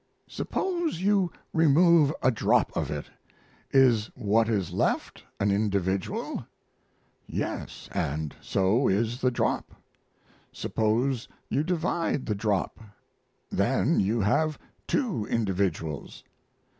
"Suppose you remove a drop of it? Is what is left an individual?" "Yes, and so is the drop." "Suppose you divide the drop?" "Then you have two individuals."